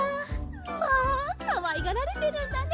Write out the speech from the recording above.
まあかわいがられてるんだね。